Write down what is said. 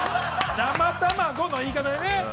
◆生卵の言い方でね。